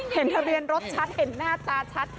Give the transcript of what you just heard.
เห็นทะเบียนรถชัดเห็นหน้าตาชัด